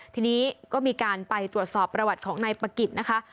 ทีนี้ก็มีการไปตรวจสอบประวัติของนายปะกิจนะคะ